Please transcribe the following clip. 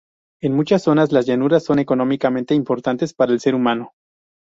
En muchas zonas, las llanuras son económicamente importantes para el ser humano.